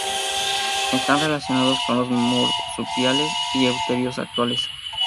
Están relacionados con los marsupiales y euterios actuales.